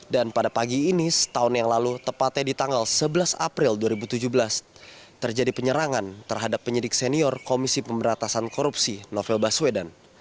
dan pada pagi ini setahun yang lalu tepatnya di tanggal sebelas april dua ribu tujuh belas terjadi penyerangan terhadap penyidik senior komisi pemberantasan korupsi novel baswedan